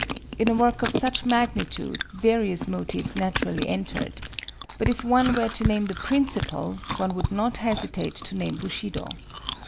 In a work of such magnitude various motives naturally entered; but if one were to name the principal, one would not hesitate to name Bushido.